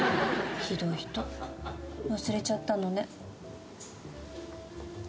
ひどい人忘れちゃったのね。